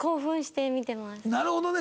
なるほどね。